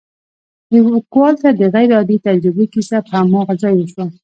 ليکوال ته د غير عادي تجربې کيسه په هماغه ځای وشوه.